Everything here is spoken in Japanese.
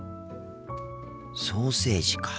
ソーセージか。